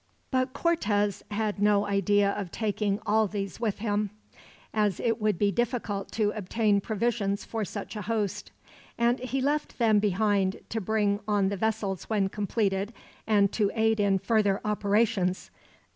But Cortez had no idea of taking all these with him, as it would be difficult to obtain provisions for such a host; and he left them behind, to bring on the vessels when completed, and to aid in further operations.